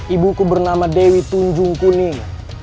ibuku bernama dewi tunjung kuning